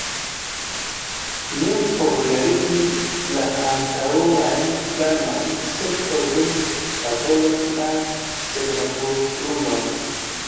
Ne por realigi la antaŭajn planojn, sed por doni laboron al senlaboruloj.